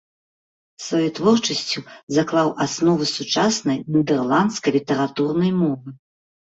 Сваёй творчасцю заклаў асновы сучаснай нідэрландскай літаратурнай мовы.